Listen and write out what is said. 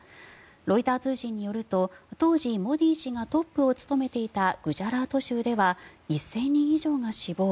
ロイター通信によると当時、モディ氏がトップを務めていたグジャラート州では１０００人以上が死亡。